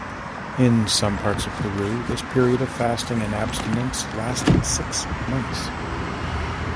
In some parts of Peru this period of fasting and abstinence lasted six months.